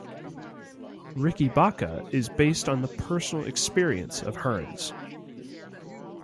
"Riki-Baka" is based on a personal experience of Hearn's.